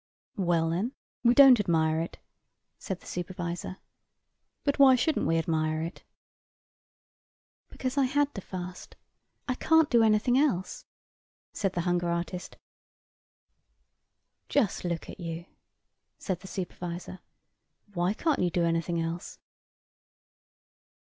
"Well then, we don't admire it," said the supervisor, "but why shouldn't we admire it?" "Because I had to fast. I can't do anything else," said the hunger artist. "Just look at you," said the supervisor, "why can't you do anything else?"